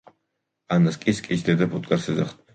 ანას კი „სკის დედა ფუტკარს“ ეძახდნენ.